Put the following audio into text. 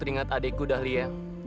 aku ingat adikku dahlia